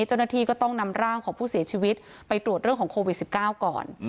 เจ้าหน้าที่ก็ต้องนำร่างของผู้เสียชีวิตไปตรวจเรื่องของโควิด๑๙ก่อน